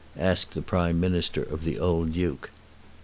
asked the Prime Minister of the old Duke.